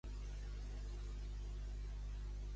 Podries repetir el hit anterior?